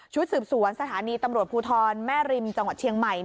สืบสวนสถานีตำรวจภูทรแม่ริมจังหวัดเชียงใหม่